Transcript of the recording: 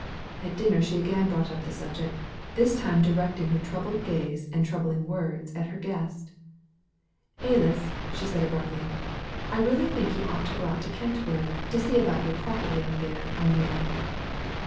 At dinner she again brought up the subject, this time directing her troubled gaze and troubling words at her guest. "Alys," she said abruptly, "I really think you ought to go out to Kentwood to see about your property out there, I mean."